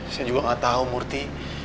saya juga gak tau murthy